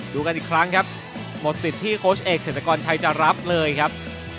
ดูกันอีกครั้งครับหมดสิทธิ์ที่โค้ชเอกเศรษฐกรชัยจะรับเลยครับ